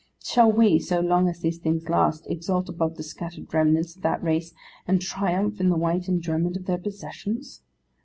Shall we, so long as these things last, exult above the scattered remnants of that race, and triumph in the white enjoyment of their possessions?